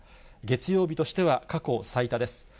月曜日としては過去最多です。